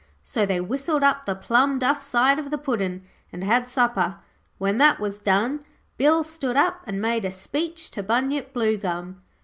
So they whistled up the plum duff side of the Puddin', and had supper. When that was done, Bill stood up and made a speech to Bunyip Bluegum.